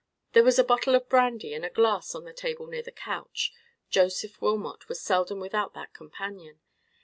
There was a bottle of brandy and a glass on the table near the couch. Joseph Wilmot was seldom without that companion.